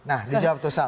nah dijawab tusham